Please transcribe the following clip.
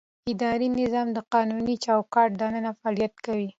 اداري نظام د قانوني چوکاټ دننه فعالیت کوي.